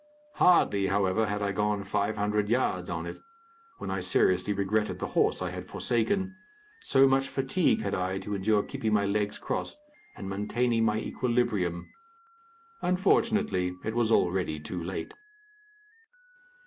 Hardly, however, had I gone five hundred yards on it, when I seriously regretted the horse I had forsaken, so much fatigue had I to endure keeping my legs crossed and maintaining my equilibrium. Unfortunately, it was already too late.